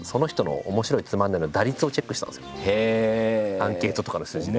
アンケートとかの数字で。